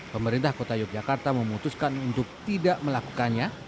pemerintah kota yogyakarta memutuskan untuk tidak melakukannya